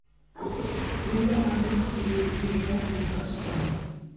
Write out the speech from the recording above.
Later artists include Asia and Joss Stone.